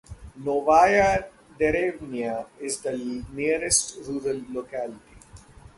Novaya Derevnya is the nearest rural locality.